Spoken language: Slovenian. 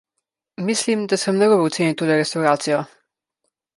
Mislim, da sem narobe ocenil tole restavracijo.